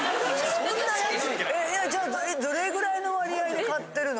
じゃあちょっとどれくらいの割合で買ってるの？